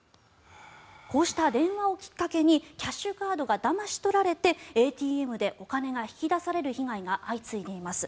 こうした電話をきっかけにキャッシュカードがだまし取られてＡＴＭでお金が引き出される被害が相次いでいます。